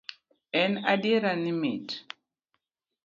En adier ni nit